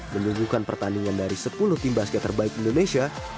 menunggukan pertandingan dari sepuluh tim basket terbaik indonesia